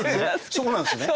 そうなんですね。